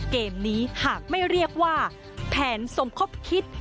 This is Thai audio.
เกมนี้หากไม่เรียกว่าแผนสมคบคิด